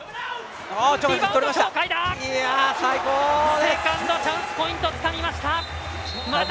セカンドチャンスポイントつかみました！